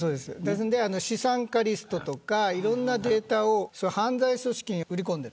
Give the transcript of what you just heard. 資産家リストとかいろんなデータを犯罪組織に売り込んでいる。